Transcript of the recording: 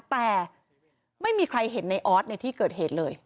แต่ไม่มีใครเห็นในออสในที่เกิดเหตุเลย